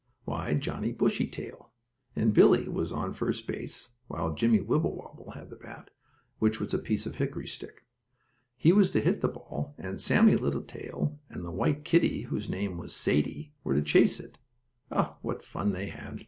Why, Johnnie Bushytail. And Billie was on first base, while Jimmie Wibblewobble had the bat, which was a piece of hickory stick. He was to hit the ball and Sammie Littletail and the white kittie, whose name was Sadie, were to chase it. Oh, what fun they had!